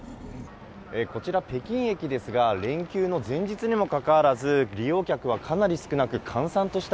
こちら北京駅ですが、連休の前日にもかかわらず、利用客はかなり少なく、閑散とし